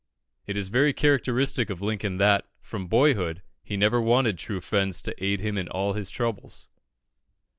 It is very characteristic of Lincoln that, from boyhood, he never wanted true friends to aid him in all his troubles.